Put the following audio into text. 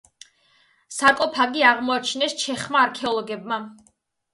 სარკოფაგი აღმოაჩინეს ჩეხმა არქეოლოგებმა.